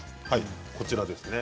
こちらですね